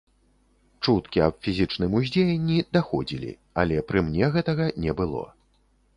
Чуткі аб фізічным уздзеянні даходзілі, але пры мне гэтага не было.